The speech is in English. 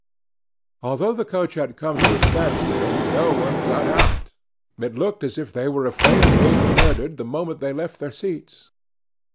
Although the coach had come to a standstill, no one got out; it looked as if they were afraid of being murdered the moment they left their seats.